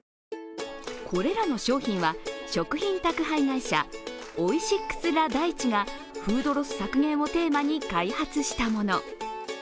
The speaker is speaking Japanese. これらの商品は食品宅配会社オイシックス・ラ・大地がフードロス削減をテーマに開発したもの。